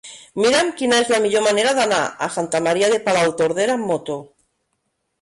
Mira'm quina és la millor manera d'anar a Santa Maria de Palautordera amb moto.